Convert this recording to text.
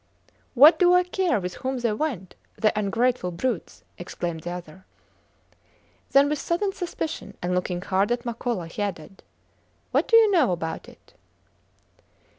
What do I care with whom they went the ungrateful brutes! exclaimed the other. Then with sudden suspicion, and looking hard at Makola, he added: What do you know about it?